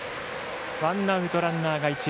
ワンアウト、ランナーが一塁。